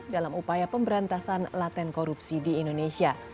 dalam upaya pemberantasan laten korupsi di indonesia